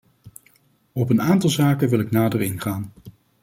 Op een aantal zaken wil ik nader ingaan.